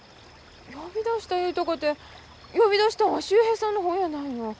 呼び出したいうたかて呼び出したんは秀平さんの方やないの。